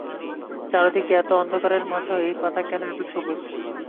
চারিদিকে এত অন্ধকারের মাঝেও এই পাতা কেন এত সবুজ?